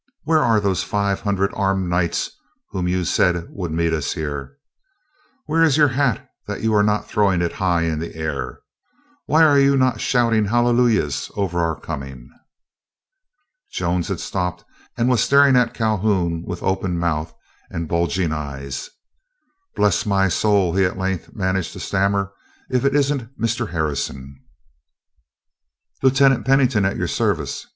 Where are those five hundred armed Knights who you said would meet us here? Where is your hat, that you are not throwing it high in air? Why are you not shouting hallelujahs over our coming?" Jones had stopped and was staring at Calhoun with open mouth and bulging eyes. "Bless my soul," he at length managed to stammer, "if it isn't Mr. Harrison!" "Lieutenant Pennington, at your service.